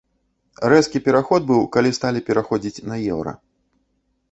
Рэзкі пераход быў, калі сталі пераходзіць на еўра.